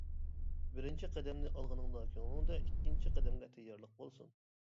بىرىنچى قەدەمنى ئالغىنىڭدا كۆڭلۈڭدە ئىككىنچى قەدەمگە تەييارلىق بولسۇن.